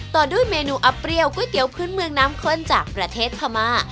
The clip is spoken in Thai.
ต่อด้วยเมนูอับเปรี้ยวก๋วยเตี๋ยวพื้นเมืองน้ำข้นจากประเทศพม่า